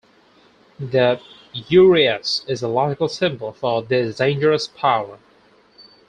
The uraeus is a logical symbol for this dangerous power.